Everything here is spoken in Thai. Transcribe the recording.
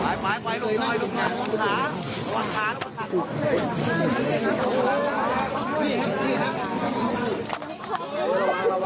อีฮะสวัสดีครับยาวแล้วป่ะ